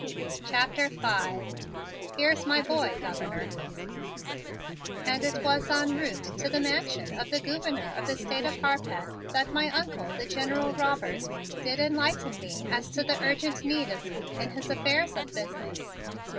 CHAPTER V "HERE'S MY BOY, GOVERNOR" And it was en route to the mansion of the Gouverneur of the State of Harpeth that my Uncle, the General Robert, did enlighten me as to the urgent need of me in his affairs of business.